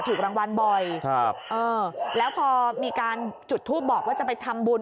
ถูกรางวัลบ่อยครับเออแล้วพอมีการจุดทูปบอกว่าจะไปทำบุญ